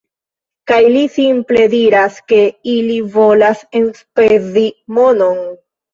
Kaj li simple diras, ke ili volas enspezi monon